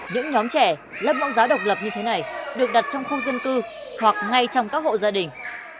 những nhóm trẻ lấp mẫu giáo độc lập như thế này được đặt trong khu dân cư hoặc ngay trong các hộ gia đình